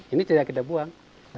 ini tidak kita buang